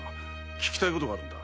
訊きたいことがあるんだ。